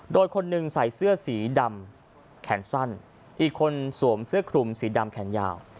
โดยคนหนึ่งใส่เสื้อสีดำแขนสั้นอีกคนสวมเสื้อคลุมสีดำแขนยาว